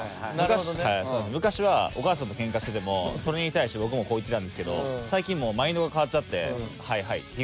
昔はお母さんとケンカしててもそれに対して僕もこういってたんですけど最近マインドが変わっちゃって「はいはい」っていうぐらいの。